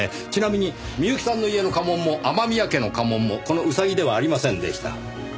ちなみに美由紀さんの家の家紋も雨宮家の家紋もこのウサギではありませんでした。